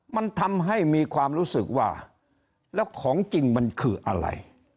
มันทำให้มีความรู้สึกว่าแล้วของจริงมันคืออะไร